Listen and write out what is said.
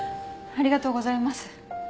ありがとうございます。